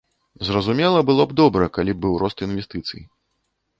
Зразумела, было б добра, калі б быў рост інвестыцый.